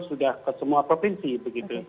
sudah ke semua provinsi